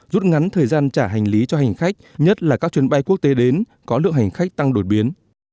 rút ngắn thời gian trả hành lý cho hành khách nhất là các chuyến bay quốc tế đến có lượng hành khách tăng đột biến